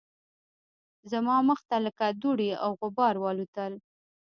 زما مخ ته لکه دوړې او غبار والوتل